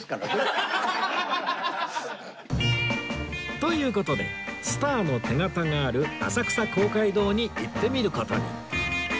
という事でスターの手形がある浅草公会堂に行ってみる事に